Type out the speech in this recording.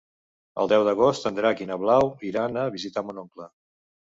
El deu d'agost en Drac i na Blau iran a visitar mon oncle.